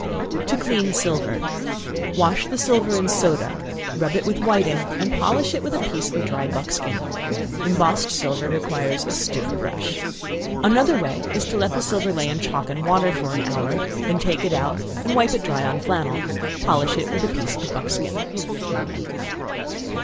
To Clean Silver. Wash the silver in soda water, rub it with whiting, and polish it with a piece of dry buckskin. Embossed silver requires a stiff brush. Another way is to let the silver lay in chalk and water for an hour, then take it out, and wipe it dry on flannel; polish it with a piece of buckskin.